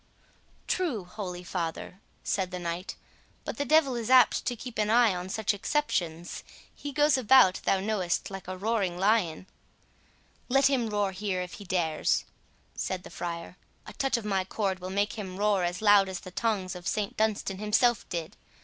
"True, holy father," said the knight; "but the devil is apt to keep an eye on such exceptions; he goes about, thou knowest, like a roaring lion." "Let him roar here if he dares," said the friar; "a touch of my cord will make him roar as loud as the tongs of St Dunstan himself did.